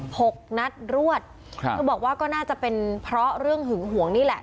หกนัดรวดครับเธอบอกว่าก็น่าจะเป็นเพราะเรื่องหึงหวงนี่แหละ